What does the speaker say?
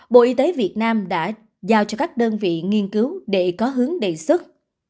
bộ y tế việt nam đã giao cho các đơn vị nghiên cứu để có hướng đầy sức